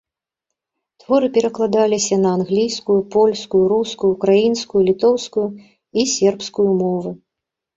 Творы перакладаліся на англійскую, польскую, рускую, украінскую, літоўскую і сербскую мовы.